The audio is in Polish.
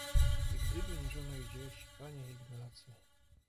"I gdyby nie żona i dzieci... Panie Ignacy!..."